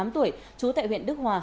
một mươi tám tuổi trú tại huyện đức hòa